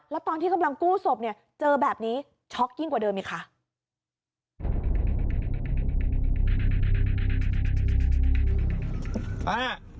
แล้วตอนที่กำลังกู้ศพเนี่ยเจอแบบนี้ช็อกยิ่งกว่าเดิมอีกค่ะ